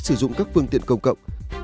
sử dụng các phương tiện công cộng